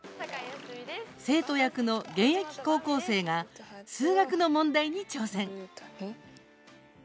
生徒役の現役高校生が数学の問題に挑戦。